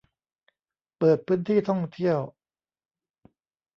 เปิดพื้นที่ท่องเที่ยว